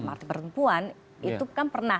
partai perempuan itu kan pernah